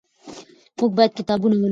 موږ باید کتابونه ولولو.